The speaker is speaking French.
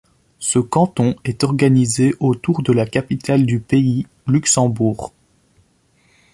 Ce canton est organisé autour de la capitale du pays, Luxembourg.